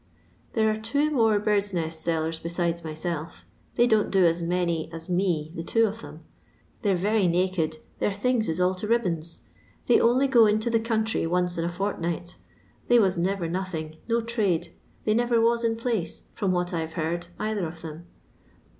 There are two more birds' nest sellers besides myself, they don't do as many as me the two of 'em. They 're very naked, their things is all to ribbins ; they only go into the country once in a fortnight. They was never nothing, no trade — they never was in place — from what I 've heard — either of them.